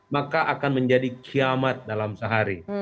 maka akan menjadi kiamat dalam sehari